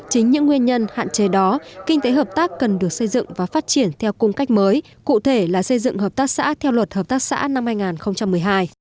chính những nguyên nhân hạn chế đó kinh tế hợp tác cần được xây dựng và phát triển theo cung cách mới cụ thể là xây dựng hợp tác xã theo luật hợp tác xã năm hai nghìn một mươi hai